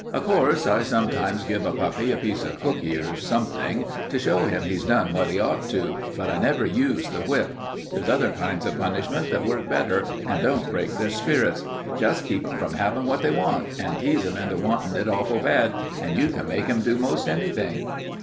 Of course, I sometimes give a puppy a piece of cookie or something to show him he's done what he ought to, but I never use the whip. There's other kinds of punishment that work better and don't break their spirits. Just keep 'em from havin' what they want, and tease 'em into wantin' it awful bad, and you can make 'em do most anything."